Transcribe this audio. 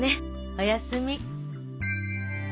おやすみ。